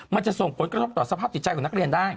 มันจะส่งผลกระทบต่อสภาพจิตใจของนักเรียนได้